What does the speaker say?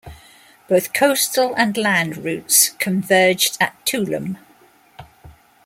Both coastal and land routes converged at Tulum.